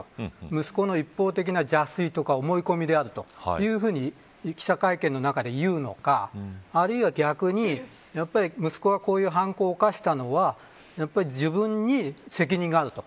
息子の一方的な邪推とか思い込みであるというふうに記者会見の中で言うのか逆に、息子がこういう犯行を犯したのはやっぱり自分に責任があると。